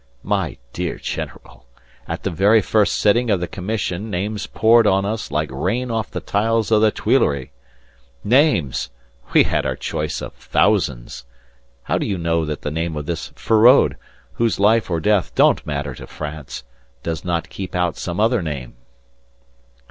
My dear general, at the very first sitting of the commission names poured on us like rain off the tiles of the Tuileries. Names! We had our choice of thousands. How do you know that the name of this Feraud, whose life or death don't matter to France, does not keep out some other name?..."